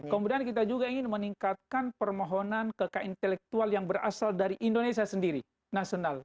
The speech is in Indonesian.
kemudian kita juga ingin meningkatkan permohonan kekain intelektual yang berasal dari indonesia sendiri nasional